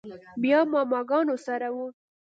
بيا ماما ګانو سره و.